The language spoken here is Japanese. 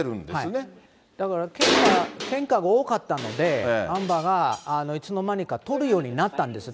だから、けんかが多かったので、アンバーがいつの間にか撮るようになったんです。